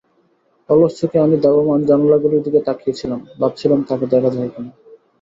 অলস চোখে আমি ধাবমান জানালাগুলির দিকে তাকিয়ে ছিলাম, ভাবছিলাম তাকে দেখা যায় কিনা।